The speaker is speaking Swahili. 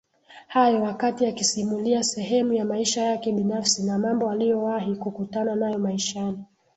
hayo wakati akisimulia sehemu ya maisha yake binafsi na mambo aliyowahi kukutana nayo maishani